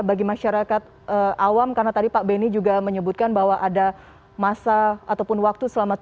bagi masyarakat awam karena tadi pak benny juga menyebutkan bahwa ada masa ataupun waktu selama